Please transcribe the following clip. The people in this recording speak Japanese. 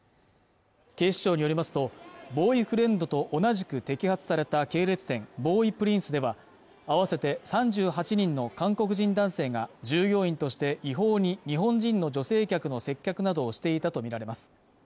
警視庁によりますとボーイフレンドと同じく摘発された系列店ボーイプリンスでは合わせて３８人の韓国人男性が従業員として違法に日本人の女性客の接客などをしていたと見られます